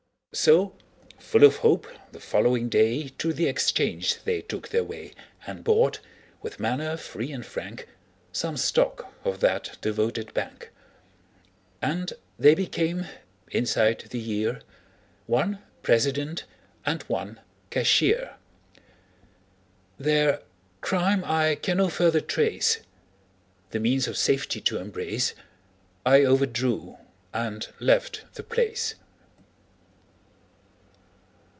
So, full of hope, the following day To the exchange they took their way And bought, with manner free and frank, Some stock of that devoted bank; And they became, inside the year, One President and one Cashier. Their crime I can no further trace The means of safety to embrace, I overdrew and left the place.